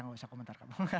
tidak usah komentar